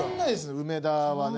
梅田はね